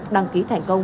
đăng ký thành công